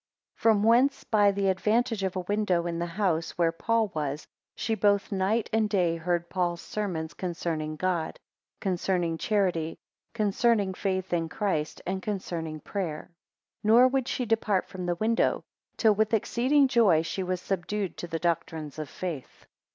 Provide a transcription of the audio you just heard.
2 From whence, by the advantage of a window in the house where Paul was, she both night and day heard Paul's sermons concerning God, concerning charity, concerning faith in Christ, and concerning prayer; 3 Nor would she depart from the window, till with exceeding joy she was subdued to the doctrines of faith.